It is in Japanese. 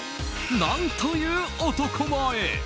何という男前！